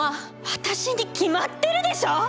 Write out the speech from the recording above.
私に決まってるでしょ！